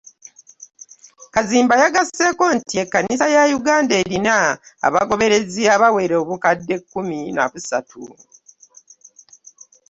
Kaziimba yagasseeko nti Ekkanisa ya Uganda erina abagoberezi abawera obukadde kkumi na busatu